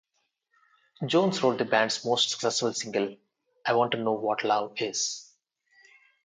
Jones wrote the band's most successful single, "I Want to Know What Love Is".